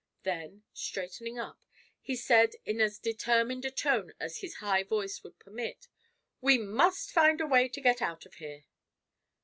Then, straightening up, he said in as determined a tone as his high voice would permit: "We must find a way to get out of here!"